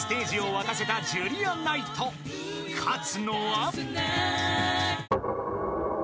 ［勝つのは？］